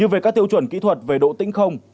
như về các tiêu chuẩn kỹ thuật về đội hành